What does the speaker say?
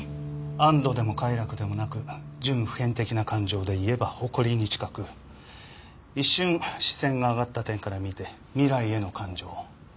安堵でも快楽でもなく準普遍的な感情で言えば誇りに近く一瞬視線が上がった点から見て未来への感情。